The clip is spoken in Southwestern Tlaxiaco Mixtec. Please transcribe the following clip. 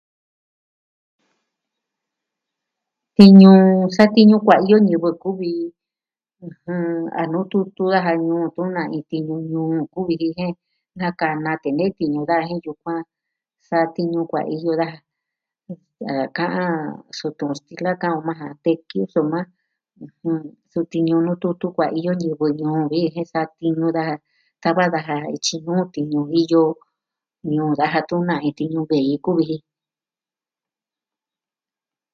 Tiñu... satiñu kuaiyo ñivɨ kuvi, ɨjvn... a nututu ajan ñuu tun na ni tiñu ñuu kuvi kiji naka'an na tee nee tiñu da jen yukuan satiñu kuaiyo daja. ka'an suu tu'un stila ka'an o maa ja tequio soma, ɨjɨn, sutiñu nututu kuaiyo ñivɨ ñuu vi jen satiñu daja. Tava daja tyinuu tiñu vi yoo ñuu daja tunaa iin tiñu ve'i kuvi ji.